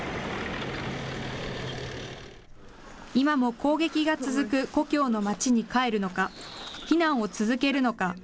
今も攻撃が続く故郷の町に帰るのか、避難を続けるのか。